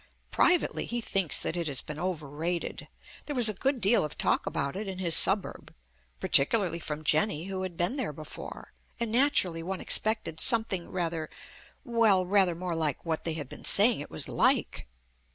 Privately he thinks that it has been over rated. There was a good deal of talk about it in his suburb (particularly from Jenny, who had been there before) and naturally one expected something rather well, rather more like what they had been saying it was like.